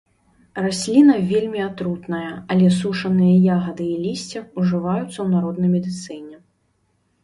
Расліна вельмі атрутная, але сушаныя ягады і лісце ўжываюцца ў народнай медыцыне.